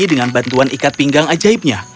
dengan bantuan ikat pinggang ajaibnya